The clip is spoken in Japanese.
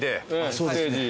そうですね。